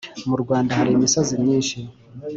mu rwanda, hari imisozi myinshi